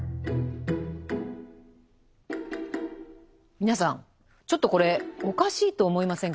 皆さんちょっとこれおかしいと思いませんか？